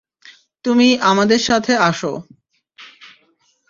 তুমি আমাদের সাথে আসো!